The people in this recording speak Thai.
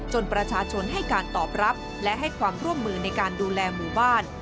ประชาชนให้การตอบรับและให้ความร่วมมือในการดูแลหมู่บ้าน